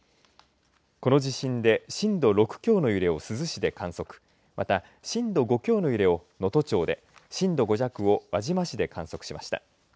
この地震で震度６強の揺れを珠洲市で観測また、震度５強の揺れを能登町で震度５弱を輪島市で観測しました。